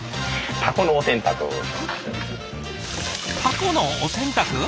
タコのお洗濯？